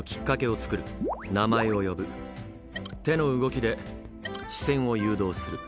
「名前を呼ぶ」「手の動きで視線を誘導する」